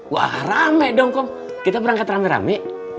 wah rame dong kok kita berangkat rame rame